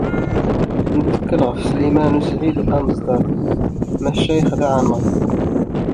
Nettkel ɣef Sliman u Saɛid Amezdat, maca yexdeɛ-aneɣ.